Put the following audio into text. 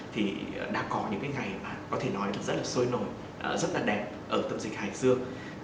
thì đã có những cái ngày mà có thể nói là rất là sôi nổi rất là đẹp ở tâm dịch hải dương